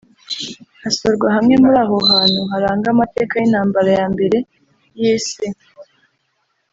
hasurwa hamwe muri aho hantu haranga amateka y’intambara ya mbere y’Isi